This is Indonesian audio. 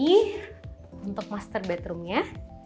ini untuk master bedroomnya